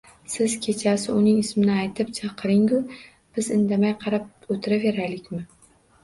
Siz kechasi uning ismini aytib chaqiringu, biz indamay qarab o'tiraveraylikmi